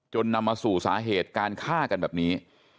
นำมาสู่สาเหตุการฆ่ากันแบบนี้